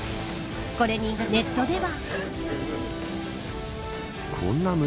これにネットでは。